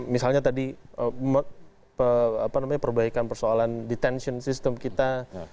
misalnya tadi perbaikan persoalan detention system kita